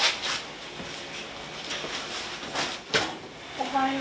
おはよう。